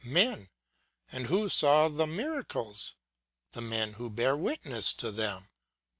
Men. And who saw the miracles? The men who bear witness to them.